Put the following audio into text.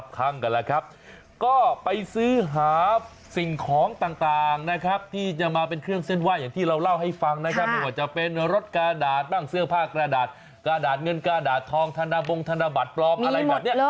ใจเย็นกรงอำมาตย์ยังไม่อยากเจอผมให้ตอนนี้